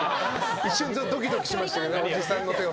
一瞬ドキドキしてました。